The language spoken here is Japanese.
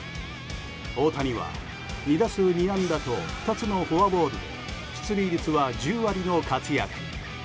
大谷は２打数２安打と２つのフォアボールで出塁率は１０割の活躍。